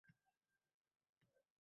Ularga hech qanday e’tibor berma.